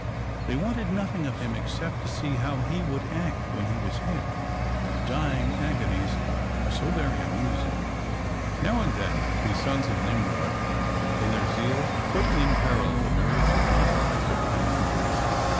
They wanted nothing of him except to see how he would act when he was hit, dying agonies are so very amusing! Now and then these sons of Nimrod in their zeal put in peril the nerves, if not lives, of passengers.